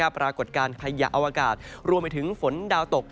ปรากฏการณ์ขยะอวกาศรวมไปถึงฝนดาวตก